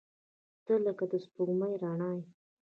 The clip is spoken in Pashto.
• ته لکه د سپوږمۍ رڼا یې.